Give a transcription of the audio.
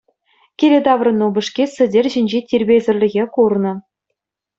Киле таврӑннӑ упӑшки сӗтел ҫинчи тирпейсӗрлӗхе курнӑ.